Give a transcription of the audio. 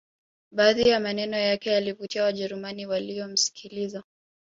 Baadhi ya maneno yake yalivutia wajerumani waliyomsikiliza